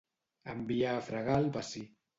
Enviar a fregar el bací.